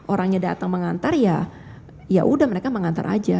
orangnya datang mengantar ya ya udah mereka mengantar aja